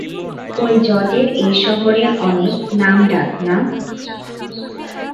ঐ জজের এই শহরে অনেক নাম-ডাক, না?